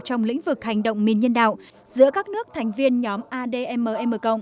trong lĩnh vực hành động mìn nhân đạo giữa các nước thành viên nhóm admm